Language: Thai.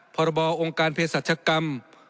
พรบองค์การเพศรัชกรรม